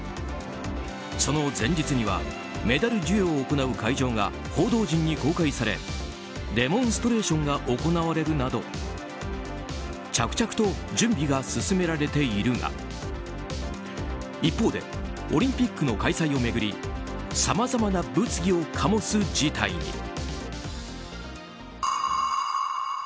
その前日にはメダル授与を行う会場が報道陣に公開されデモンストレーションが行われるなど着々と準備が進められているが一方でオリンピックの開催を巡りさまざまな物議を醸す事態に。